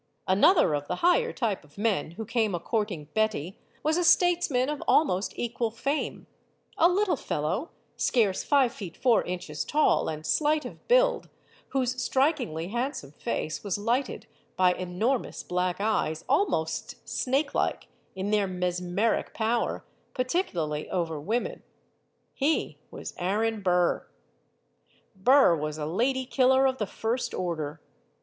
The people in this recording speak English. Another of the higher type of men who came a courting Betty was a statesman of almost equal fame a little fellow, scarce five feet four inches tall and slight of build, whose strikingly handsome face was lighted by enormous black eyes almost snake like in their mes 94 STORIES OF THE SUPER WOMEN meric power particularly over women. He was Aaron Burr. Burr was a lady killer of the first order.